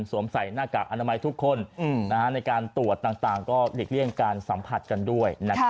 ใส่หน้ากากอนามัยทุกคนในการตรวจต่างก็หลีกเลี่ยงการสัมผัสกันด้วย